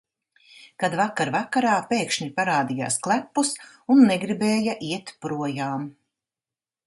Kad vakar vakarā pēkšņi parādījās klepus un negribēja iet projām.